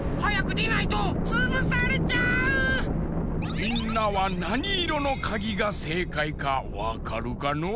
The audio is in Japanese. みんなはなにいろのかぎがせいかいかわかるかのう？